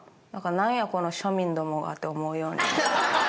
なんやこの庶民どもがって思うように。